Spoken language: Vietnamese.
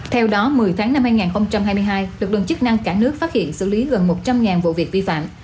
theo đó một mươi tháng năm hai nghìn hai mươi hai lực lượng chức năng cả nước phát hiện xử lý gần một trăm linh vụ việc vi phạm